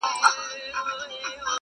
دا نه په توره نه په زور وځي له دغه ښاره-